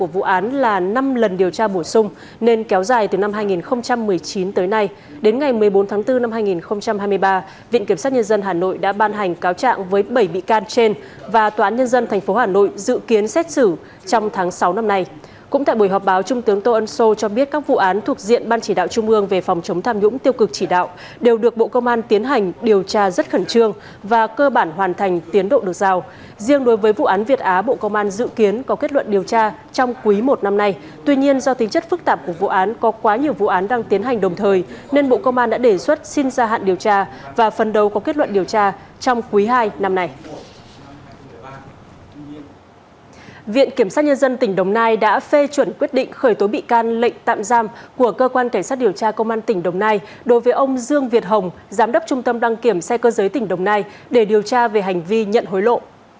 viện kiểm sát nhân dân tỉnh đồng nai đã phê chuẩn quyết định khởi tối bị can lệnh tạm giam của cơ quan cảnh sát điều tra công an tỉnh đồng nai đối với ông dương việt hồng giám đốc trung tâm đăng kiểm xe cơ giới tỉnh đồng nai để điều tra về hành vi nhận hối lộ